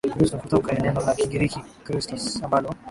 Ukristo kutoka neno la Kigiriki Khristos ambalo